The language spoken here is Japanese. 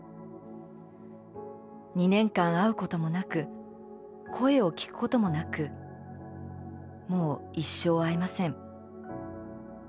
２年間会うこともなく声を聞くこともなくもう一生会えません。